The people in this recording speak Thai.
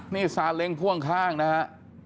นี่ซาเล็งพ่วงข้างนะครับ